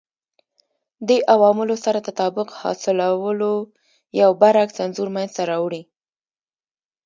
دې عواملو سره تطابق حاصلولو یو برعکس انځور منځته راوړي